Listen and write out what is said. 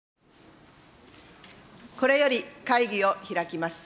これより会議を開きます。